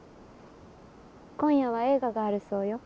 今夜は映画があるそうよ。